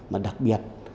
mà đặc biệt